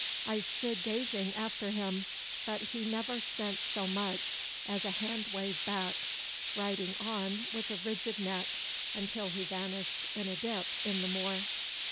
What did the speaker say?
I stood gazing after him, but he never sent so much as a hand wave back, riding on with a rigid neck until he vanished in a dip in the moor.